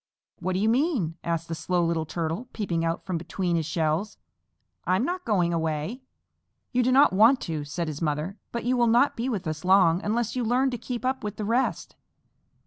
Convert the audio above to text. "What do you mean?" asked the Slow Little Turtle, peeping out from between his shells. "I'm not going away." "You do not want to," said his mother, "but you will not be with us long unless you learn to keep up with the rest.